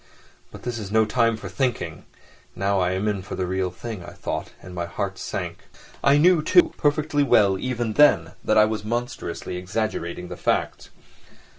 "But this is no time for thinking: now I am in for the real thing," I thought, and my heart sank. I knew, too, perfectly well even then, that I was monstrously exaggerating the facts.